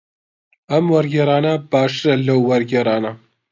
ئەم وەرگێڕانە باشترە لەو وەرگێڕانە.